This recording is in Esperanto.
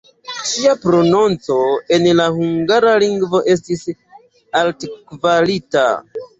Ŝia prononco en la hungara lingvo estis altkvalita.